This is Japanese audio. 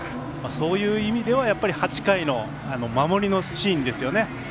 そういう意味ではやっぱり８回の守りのシーンですよね。